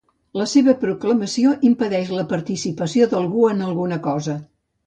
La seva proclamació impedeix la participació d'algú en alguna cosa.